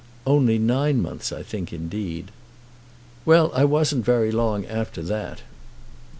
"Only nine months, I think, indeed." "Well; I wasn't very long after that.